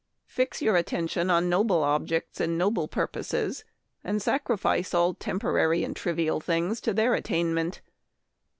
... Fix your attention on noble objects and noble purposes, and sacrifice all temporary and trivial things to their attain ment.